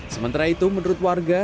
sementara itu menurut warga